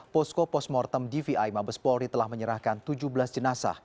posko postmortem dvi mabes polri telah menyerahkan tujuh belas jenazah